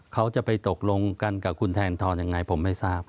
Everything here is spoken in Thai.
เขาจะไปตกลงกันกับคุณแทนทรยังไงผมไม่ทราบ